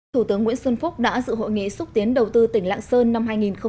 thủ tướng nguyễn xuân phúc đã dự hội nghị xúc tiến đầu tư tỉnh lạng sơn năm hai nghìn một mươi chín